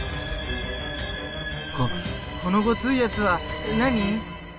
ここのごついやつは何？